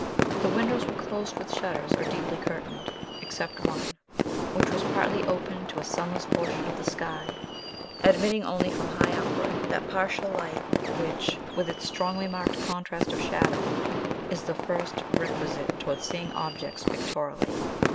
The windows were closed with shutters, or deeply curtained, except one, which was partly open to a sunless portion of the sky, admitting only from high upward that partial light which, with its strongly marked contrast of shadow, is the first requisite towards seeing objects pictorially.